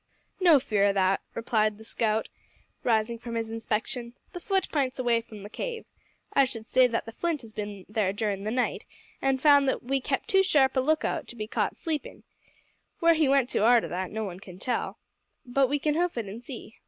"No fear o' that," replied the scout, rising from his inspection, "the futt p'ints away from the cave. I should say that the Flint has bin there durin' the night, an' found that we kep' too sharp a look out to be caught sleepin'. Where he went to arter that no one can tell, but we can hoof it an' see.